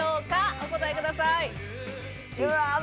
お答えください。